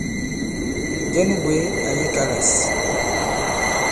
Njɛ nu bwě àyì kalâs ?